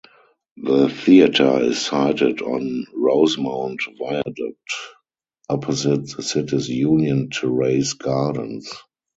The theatre is sited on Rosemount Viaduct, opposite the city's Union Terrace Gardens.